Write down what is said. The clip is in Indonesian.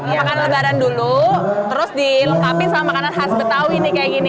mau makan lebaran dulu terus dilengkapi sama makanan khas betawi nih kayak gini